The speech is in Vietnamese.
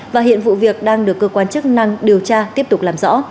và hiện vụ việc đang được cơ quan chức năng điều tra tiếp tục làm rõ